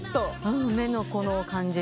目の感じ。